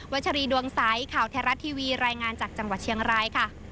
ัชรีดวงใสข่าวไทยรัฐทีวีรายงานจากจังหวัดเชียงรายค่ะ